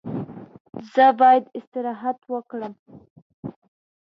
زه باید استراحت وکړم.